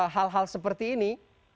hal hal seperti ini